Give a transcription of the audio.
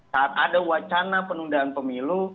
saat ada wacana penundaan pemilu